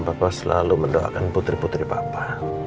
papa selalu mendoakan putri putri papa